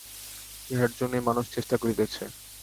ইহার জন্যই মানুষ চেষ্টা করিতেছে।